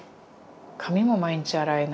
髪も毎日洗えない。